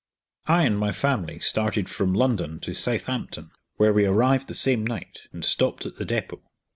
I and my family started from London to Southampton, where we arrived the same night, and stopped at the depot.